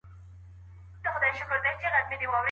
هغه وويل چي ليکل کول مهم دي.